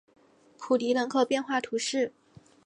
普迪人口变化图示